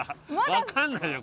分かんないよ